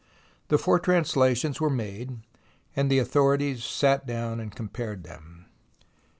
The four translations were made, and the authorities sat down and compared them.